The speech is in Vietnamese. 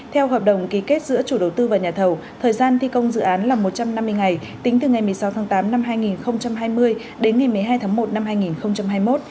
theo hợp đồng ký kết giữa chủ đầu tư và nhà thầu thời gian thi công dự án là một trăm năm mươi ngày tính từ ngày một mươi sáu tháng tám năm hai nghìn hai mươi đến ngày một mươi hai tháng một năm hai nghìn hai mươi một